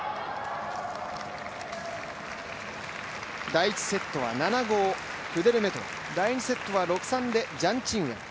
第１セットは７−５、クデルメトワ第２セットは６−３でジャン・チンウェン。